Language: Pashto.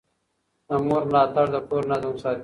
د مور ملاتړ د کور نظم ساتي.